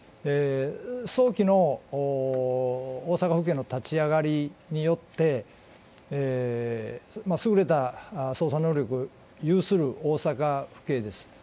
早期の大阪府警の立ち上がりによって、すぐれた捜査能力有する大阪府警です。